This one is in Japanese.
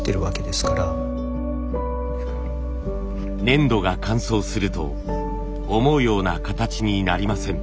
粘土が乾燥すると思うような形になりません。